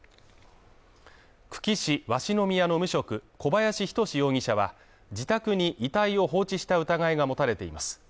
久喜市鷺宮の無職、小林等容疑者は、自宅に遺体を放置した疑いが持たれています。